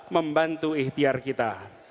membantu ikhtiar kita